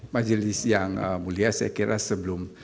majelis yang mulia saya kira sebelum